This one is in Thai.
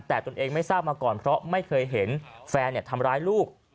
แต่ตนเองไม่ทราบมาก่อนเพราะไม่เคยเห็นแฟนทำร้ายลูก